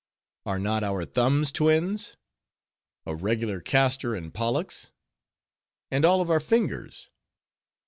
Are not our thumbs twins? A regular Castor and Pollux? And all of our fingers?